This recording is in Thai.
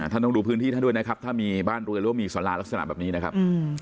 ท่านต้องดูพื้นที่ด้วยนะครับถ้ามีบ้านหรือมีซาล่าลักษณะแบบนี้นะครับ